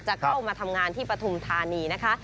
เข้ามาทำงานที่ปฐุมธานีนะคะ